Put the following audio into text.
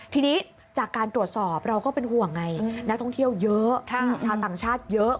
ทีนี้จากการตรวจสอบเราก็เป็นห่วงไงนักท่องเที่ยวเยอะชาวต่างชาติเยอะ